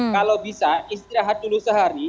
kalau bisa istirahat dulu sehari